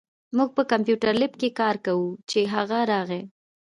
مونږ په کمپیوټر لېب کې کار کوو، چې هغه راغی